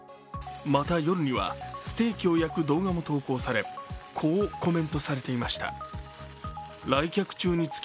また、夜にはステーキを焼く動画も投稿されこうコメントされていました。